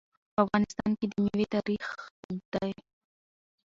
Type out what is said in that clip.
په افغانستان کې د مېوې تاریخ اوږد دی.